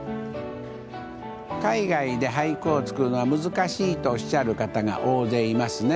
海外で俳句を作るのは難しいとおっしゃる方が大勢いますね。